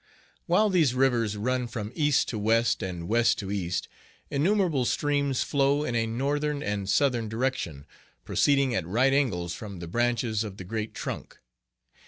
While these rivers run from east to west and west to east,, innumerable streams flow in a northern and southern direction, proceeding at right angles from the branches of the great trunk.